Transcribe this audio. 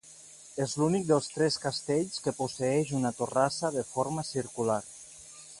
És l'únic dels tres castells que posseeix una torrassa de forma circular.